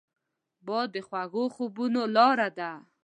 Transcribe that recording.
باد د خوږو خوبونو لاره ده